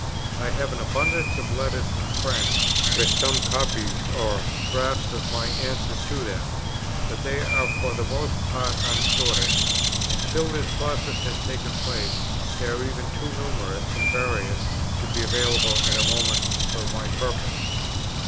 I have an abundance of letters from friends with some copies or drafts of my answers to them, but they are for the most part unsorted; and, till this process has taken place, they are even too numerous and various to be available at a moment for my purpose.